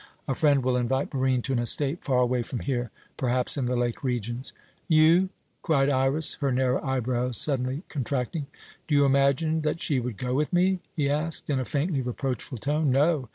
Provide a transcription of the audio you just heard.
A friend will invite Barine to an estate far away from here, perhaps in the lake regions." "You?" cried Iras, her narrow eyebrows suddenly contracting. "Do you imagine that she would go with me?" he asked, in a faintly reproachful tone. "No.